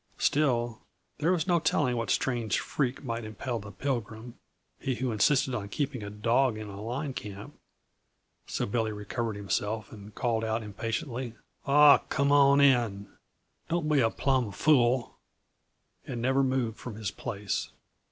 Still, there was no telling what strange freak might impel the Pilgrim he who insisted on keeping a dog in a line camp! so Billy recovered himself and called out impatiently: "Aw, come on in! Don't be a plumb fool," and never moved from his place.